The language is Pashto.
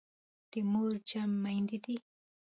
د مور جمع میندي دي.